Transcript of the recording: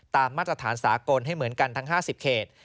มาตรฐานสากลให้เหมือนกันทั้ง๕๐เขต